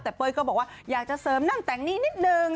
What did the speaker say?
แต่เป้ยก็บอกว่าอยากจะเสริมนั่นแต่งนี่นิดนึง